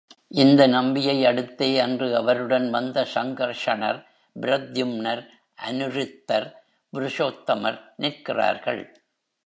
இந்த நம்பியை அடுத்தே அன்று அவருடன் வந்த சங்கர்ஷணர், பிரத்யும்னர், அநிருத்தர், புருஷோத்தமர் நிற்கிறார்கள்.